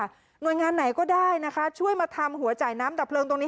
หน่วยงานไหนก็ได้นะคะช่วยมาทำหัวจ่ายน้ำดับเพลิงตรงนี้